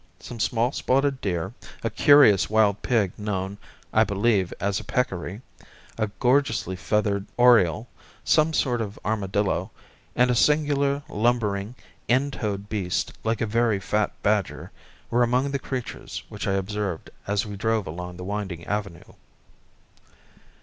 Some small spotted deer, a curious wild pig known, I believe, as a peccary, a gorgeously feathered oriole, some sort of armadillo, and a singular lumbering in toed beast like a very fat badger, were among the creatures which I observed as we drove along the winding avenue.